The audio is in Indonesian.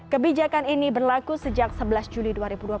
kebijakan ini berlaku sejak sebelas juli dua ribu dua puluh